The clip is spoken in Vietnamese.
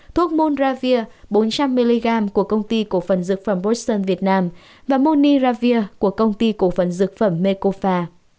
thuốc monravir bốn trăm linh mg của công ty cổ phần dược phẩm bosson việt nam và moniravir của công ty cổ phần dược phẩm mekofa